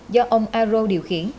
do ông aro điều khiển